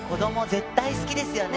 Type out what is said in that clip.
絶対好きですよね